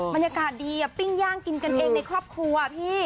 บรรยากาศดีปิ้งย่างกินกันเองในครอบครัวพี่